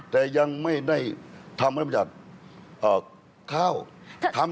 แต่ยังไม่ได้ทำพัฒนามิจัตรย์